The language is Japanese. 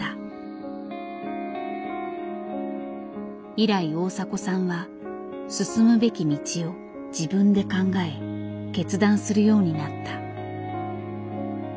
以来大迫さんは進むべき道を自分で考え決断するようになった。